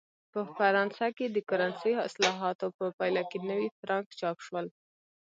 په فرانسه کې د کرنسۍ اصلاحاتو په پایله کې نوي فرانک چاپ شول.